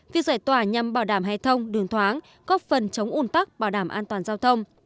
việc giải tỏa nhằm bảo đảm hệ thông đường thoáng góp phần chống ủn tắc bảo đảm an toàn giao thông